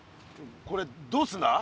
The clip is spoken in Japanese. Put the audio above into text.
これどうするんだ？